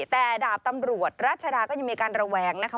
แต่ดาบตำรวจรัชดาก็ยังมีการระแวงนะคะ